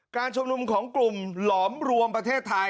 การชุมนุมของกลุ่มหลอมรวมประเทศไทย